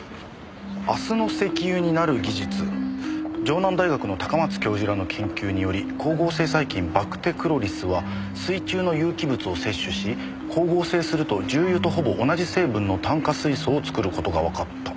「明日の石油になる技術」「城南大学の高松教授らの研究により光合成細菌『バクテクロリス』は水中の有機物を摂取し光合成すると重油とほぼ同じ成分の炭化水素を作ることが分かった」